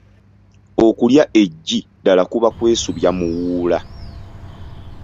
Okulya eggi ddala kuba kwesubya muwuula.